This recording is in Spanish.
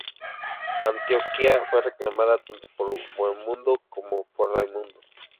Antioquía fue reclamada tanto por Bohemundo como por Raimundo.